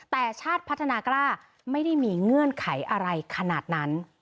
แต่ชาติพัฒนากล้าไม่ได้มีเงื่อนไขอะไรขนาดนั้น